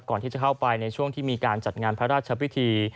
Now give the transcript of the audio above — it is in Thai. ก่อนที่จะเข้าไปในช่วงที่มีการจัดงานพระราชพิธี